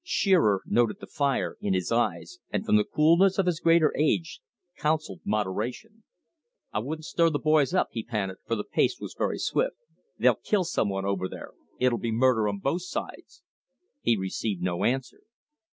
Shearer noted the fire in his eyes, and from the coolness of his greater age, counselled moderation. "I wouldn't stir the boys up," he panted, for the pace was very swift. "They'll kill some one over there, it'll be murder on both sides." He received no answer.